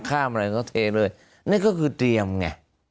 ข้ามอะไรเขาเทเลยนั่นก็คือเตรียมไง